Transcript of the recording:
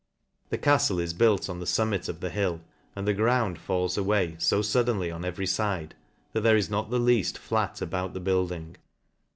The caftle is built on the kmmit of the hill, and the ground falls away fo fuddenly on every fide, that there is not the leaf! fiat about the building.